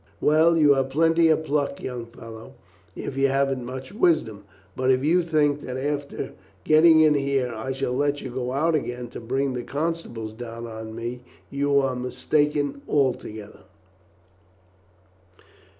"Well, you have plenty of pluck, young fellow, if you haven't much wisdom; but if you think that after getting in here, I shall let you go out again to bring the constables down on me you are mistaken altogether."